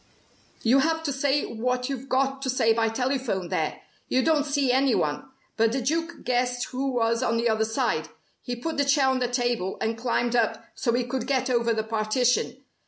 You have to say what you've got to say by telephone there. You don't see any one. But the Duke guessed who was on the other side. He put the chair on the table, and climbed up, so he could get over the partition.